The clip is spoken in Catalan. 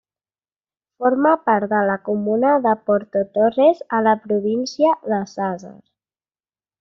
Forma part de la comuna de Porto Torres, a la província de Sàsser.